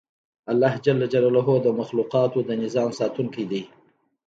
الله ج د مخلوقاتو د نظام ساتونکی دی